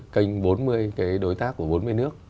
kênh bốn mươi đối tác của bốn mươi nước